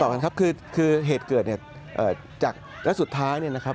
กันครับคือคือเหตุเกิดเนี่ยจากและสุดท้ายเนี่ยนะครับ